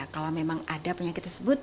kalau memang ada penyakit tersebut